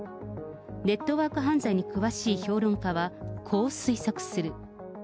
ネットワーク犯罪に詳しい評論家は、こう推測する。